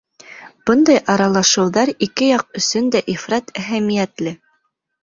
Бындай аралашыуҙар ике яҡ өсөн дә ифрат әһәмиәтле.